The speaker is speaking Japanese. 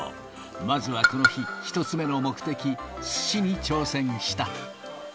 まずはこの日、１つ目の目的、すしに挑戦した。